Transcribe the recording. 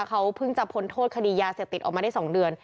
เขาเพิ่งจะพ้นโทษคดียาเสพติดออกมาได้๒เดือน